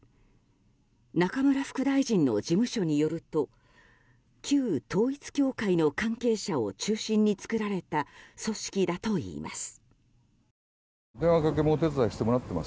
中村副大臣の事務所によると旧統一教会の関係者を中心に作られた組織だといいます。